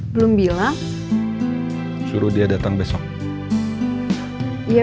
belum bilang suruh dia datang besok